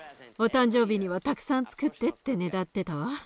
お誕生日には「たくさんつくって」ってねだってたわ。